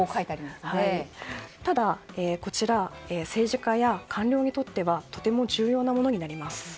ただ、こちら政治家や官僚にとってはとても重要なものになります。